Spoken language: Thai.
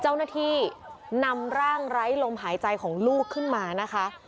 เจ้าหน้าที่นำร่างไร้ลมหายใจของลูกขึ้นมานะคะ